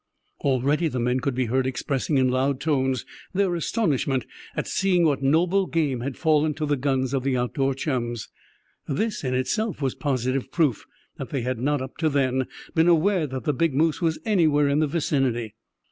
Already the men could be heard expressing in loud tones their astonishment at seeing what noble game had fallen to the guns of the outdoor chums. This in itself was positive proof that they had not up to then been aware that the big moose was anywhere in the vicinity.